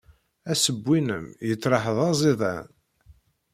Assewwi-nnem yettraḥ d aẓidan.